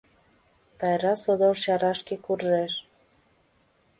Тайра содор чарашке куржеш.